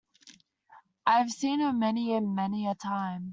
I have seen her many and many a time!